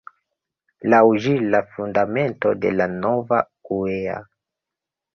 Laŭ ĝi, la fundamento de la nova uea.